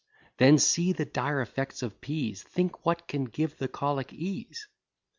Then see the dire effects of pease; Think what can give the colic ease.